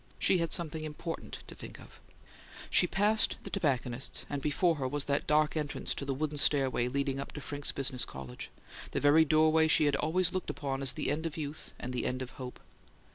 She had something important to think of. She passed the tobacconist's, and before her was that dark entrance to the wooden stairway leading up to Frincke's Business College the very doorway she had always looked upon as the end of youth and the end of hope.